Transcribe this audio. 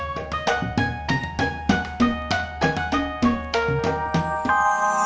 sampai jumpa di video selanjutnya